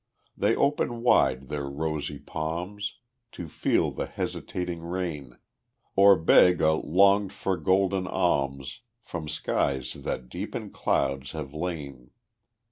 They open wide their rosy palms To feel the hesitating rain, Or beg a longed for golden alms From skies that deep in clouds have lain.